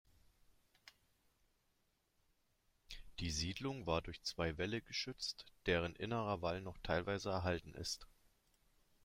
Die Siedlung war durch zwei Wälle geschützt, deren innerer Wall noch teilweise erhalten ist.